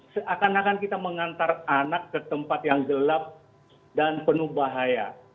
seakan akan kita mengantar anak ke tempat yang gelap dan penuh bahaya